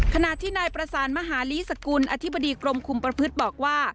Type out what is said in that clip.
ขณะที่นายประสานมหาลีสกุลอธิบดีกรมคุมประพฤติบอกว่า